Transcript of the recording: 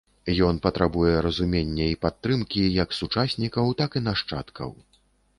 Ён патрабуе разумення і падтрымкі як сучаснікаў, так і нашчадкаў.